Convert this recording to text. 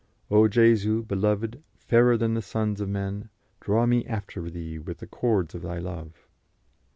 "O Jesu, beloved, fairer than the sons of men, draw me after Thee with the cords of Thy love."